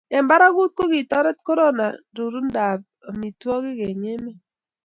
eng' barakut, ko kitoret korona rorundo tab amitwogik eng' emet.